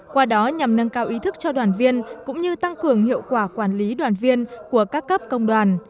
qua đó nhằm nâng cao ý thức cho đoàn viên cũng như tăng cường hiệu quả quản lý đoàn viên của các cấp công đoàn